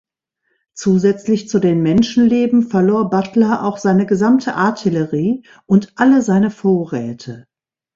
Zusätzlich zu den Menschenleben verlor Butler auch seine gesamte Artillerie und alle seine Vorräte.